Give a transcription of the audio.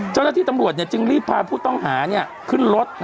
เจ้าหน้าที่ตำรวจจึงรีบพาผู้ต้องหาขึ้นรถ